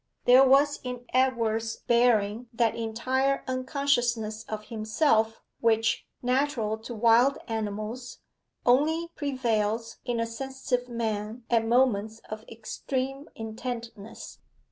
There was in Edward's bearing that entire unconsciousness of himself which, natural to wild animals, only prevails in a sensitive man at moments of extreme intentness.